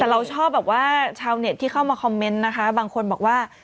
แต่เราชอบแบบว่าชาวเน็ตที่เข้ามาคอมเมนต์นะคะบางคนบอกว่า